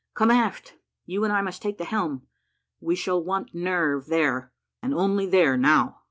"Come aft, you and I must take the helm. We shall want nerve there, and only there, now."